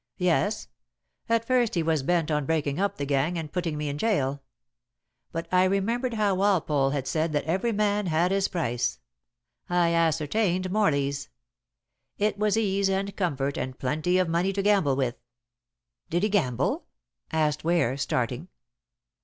"Yes. At first he was bent on breaking up the gang and putting me in jail. But I remembered how Walpole had said that every man had his price. I ascertained Morley's. It was ease and comfort and plenty of money to gamble with." "Did he gamble?" asked Ware, starting.